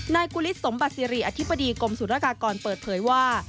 ไนค์กุฤษสมบัติสิริอธิปลดีกรมศูนยากากรเปิดเผยว่า